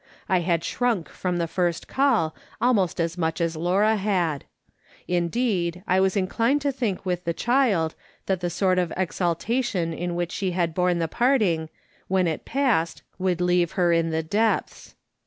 I had shrunk from the first call almost as much as Laura luul. Indeed, I was inclined to think with the child, that the sort of ex altation in which she had borne the parting, when it passed, would leave her in the depths.